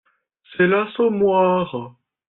C’est L’Assommoir